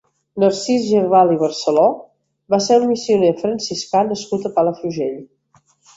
Narcís Girbal i Barceló va ser un missioner franciscà nascut a Palafrugell.